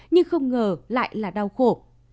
nhưng không ngờ lại là đau khổ